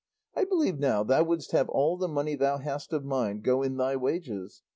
I believe now thou wouldst have all the money thou hast of mine go in thy wages.